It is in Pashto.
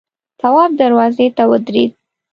تواب دروازې ته ودرېد.